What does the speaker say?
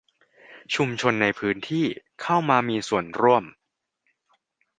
ชุมชนในพื้นที่เข้ามามีส่วนร่วม